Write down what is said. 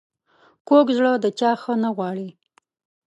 کوږ زړه د چا ښه نه غواړي